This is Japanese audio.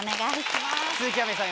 鈴木亜美さん